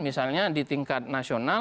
misalnya di tingkat nasional